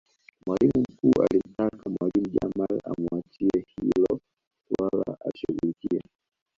mwalimu mkuu alimtaka mwalimu jamal amuachie hilo suala alishughulikie